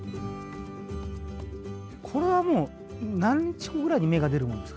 これはもう何日後ぐらいに芽が出るもんですか？